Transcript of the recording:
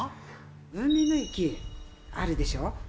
海の駅、あるでしょ。